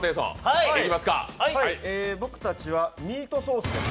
僕たちはミートソースです。